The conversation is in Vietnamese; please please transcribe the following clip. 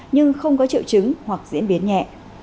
nhưng không có triệu chứng hoặc diễn biến nhẹ